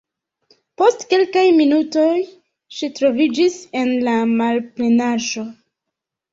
Post kelkaj minutoj ŝi troviĝis en la malplenaĵo.